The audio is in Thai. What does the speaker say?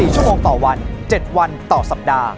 ๔ชั่วโมงต่อวัน๗วันต่อสัปดาห์